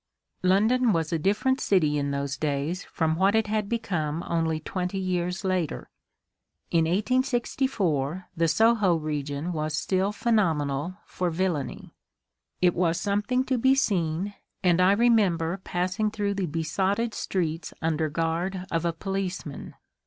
London was a different city in those days from what it had become only twenty years later. In 1864 the Soho region was still phenomenal for villainy. It was something to be seen, and I remember passing through the besotted streets under guard of a policeman.